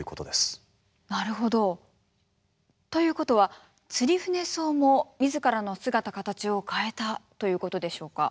なるほど。ということはツリフネソウも自らの姿形を変えたということでしょうか。